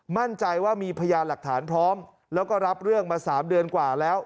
มั่นใจว่ามีพยานหลักฐานพร้อมแล้วก็รับเรื่องมา๓เดือนกว่าแล้ว